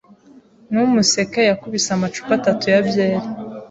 Ntumuseke. Yakubise amacupa atatu ya byeri.